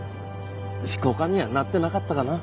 執行官にはなってなかったかな。